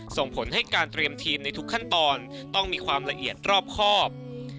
ส่งผลให้การเตรียมทีมในทุกขั้นตอนต้องมีความละเอียดรอบครอบ